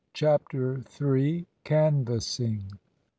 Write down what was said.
CHAPTER THREE. CANVASSING.